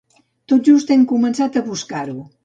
Tot just hem començat a buscar-ho.